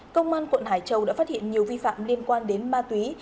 công an quận hải châu đã phát hiện nhiều vi phạm liên quan đến ma túy